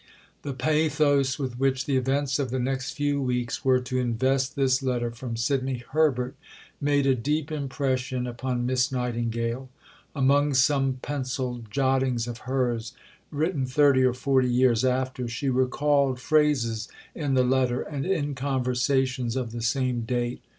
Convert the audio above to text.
The pathos with which the events of the next few weeks were to invest this letter from Sidney Herbert made a deep impression upon Miss Nightingale. Among some pencilled jottings of hers, written thirty or forty years after, she recalled phrases in the letter and in conversations of the same date.